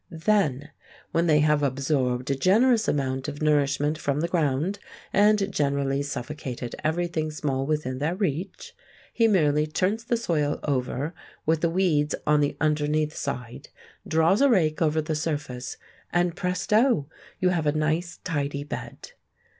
Then, when they have absorbed a generous amount of nourishment from the ground, and generally suffocated everything small within their reach, he merely turns the soil over, with the weeds on the underneath side, draws a rake over the surface, and presto! you have a nice tidy bed.